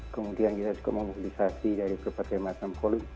kemudian kita juga memutilisasi dari berbagai macam volume